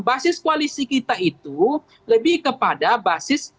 basis koalisi kita itu lebih kepada basis